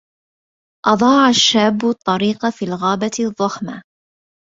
اضاع الشاب الطريق في الغابة الضخمة